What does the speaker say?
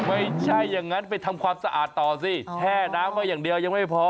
ไม่ใช่อย่างนั้นไปทำความสะอาดต่อสิแช่น้ำไว้อย่างเดียวยังไม่พอ